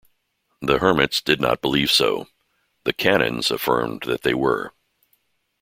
The hermits did not believe so; the canons affirmed that they were.